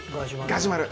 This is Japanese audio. ガジュマル。